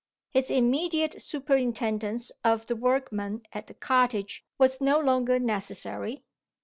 His immediate superintendence of the workmen at the cottage was no longer necessary.